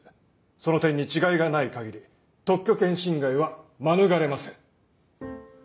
その点に違いがない限り特許権侵害は免れません。